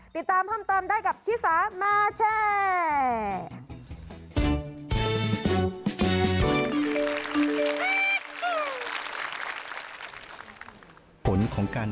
ติดตามทำตามได้กับชิสามาแชร์